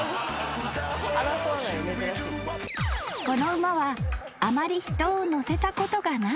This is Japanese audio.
［この馬はあまり人を乗せたことがない］